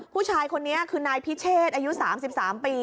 ผู้ชายคนนี้คือนายพิเชษอายุ๓๓ปี